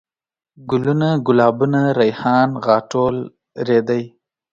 ګلوونه ،ګلابونه ،ريحان ،غاټول ،رېدی